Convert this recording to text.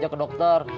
jangan ke dokter